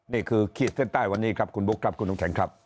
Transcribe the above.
ขีดเส้นใต้วันนี้ครับคุณบุ๊คครับคุณน้ำแข็งครับ